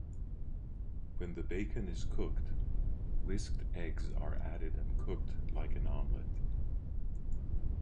When the bacon is cooked whisked eggs are added and cooked like an omelette.